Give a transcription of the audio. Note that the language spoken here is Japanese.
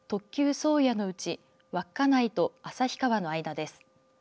宗谷のうち稚内と旭川の間です。